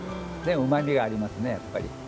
うまみがありますねやっぱり。